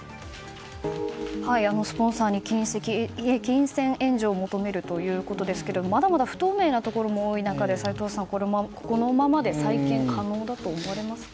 スポンサーに金銭援助を求めるということですがまだまだ不透明なところも多い中で齋藤さん、このままで再建可能だと思われますか？